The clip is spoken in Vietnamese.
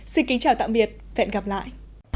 xin kính chào tạm biệt hẹn gặp lại